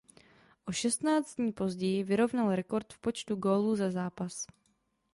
O šestnáct dní později vyrovnal rekord v počtu gólů za zápas.